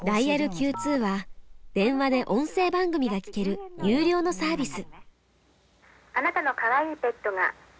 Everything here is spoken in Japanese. Ｑ２は電話で音声番組が聞ける有料のサービス。